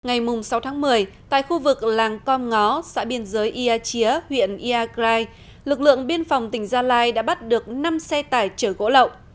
ngày sáu tháng một mươi tại khu vực làng com ngó xã biên giới ia chía huyện iagrai lực lượng biên phòng tỉnh gia lai đã bắt được năm xe tải chở gỗ lậu